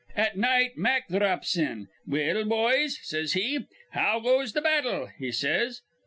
At night Mack dhrops in. 'Well, boys,' says he, 'how goes th' battle?' he says.